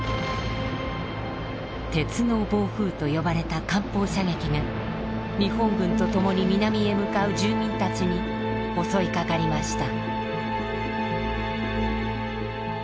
鉄の暴風と呼ばれた艦砲射撃が日本軍と共に南へ向かう住民たちに襲いかかりました。